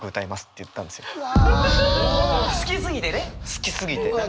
好きすぎてね！